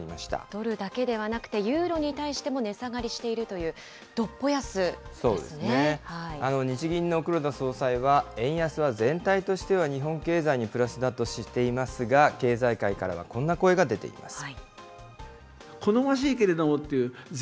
ドルだけではなくて、ユーロに対しても値下がりしているとい日銀の黒田総裁は、円安は全体としては日本経済にプラスだとしていますが、経済界からはこんな声が出ています。